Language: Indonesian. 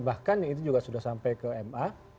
bahkan itu juga sudah sampai ke ma